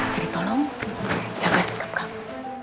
jadi tolong jaga sikap kamu